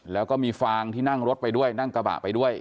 แล้วก็มีฟางที่นั่งรถไปด้วยนั่งกระบะไปด้วย